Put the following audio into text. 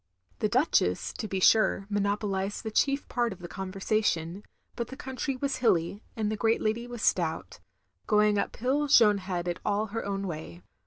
The Duchess, to be sure, monopolized the chief part of the conversation, but the country was hilly, and the great lady was stout; going up hill Jeanne had it all her own way.